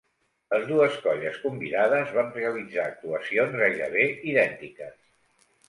Les dues colles convidades van realitzar actuacions gairebé idèntiques.